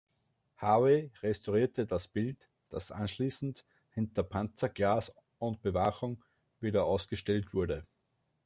Harvey restaurierte das Bild, das anschließend hinter Panzerglas und Bewachung wieder ausgestellt wurde.